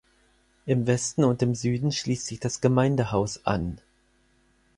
Im Westen und im Süden schließt sich das Gemeindehaus an.